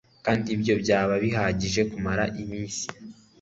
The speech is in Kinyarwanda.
Kandi ibyo byaba bihagije kumara iminsi